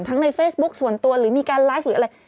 ในเฟซบุ๊คส่วนตัวหรือมีการไลฟ์หรืออะไร